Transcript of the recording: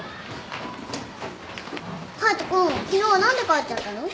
隼人君昨日は何で帰っちゃったの？